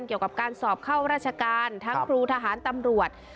เกี่ยวกับการสอบเข้าราชการทั้งครูทหารตำรวจ